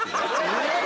えっ？